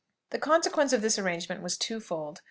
The consequence of this arrangement was twofold.